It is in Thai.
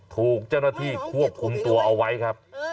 ถูกเจ้าหน้าที่ควบคุมตัวเอาไว้ครับ